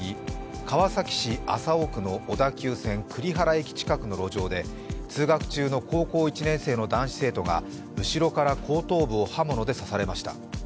川崎市麻生区の小田急線栗平駅近くの路上で通学中の高校１年生の男子生徒が後ろから後頭部を刃物で刺されました。